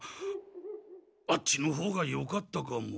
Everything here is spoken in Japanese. あっちのほうがよかったかも。